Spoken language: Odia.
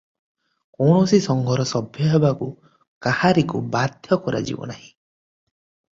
କୌଣସି ସଂଘର ସଭ୍ୟ ହେବାକୁ କାହାରିକୁ ବାଧ୍ୟ କରାଯିବ ନାହିଁ ।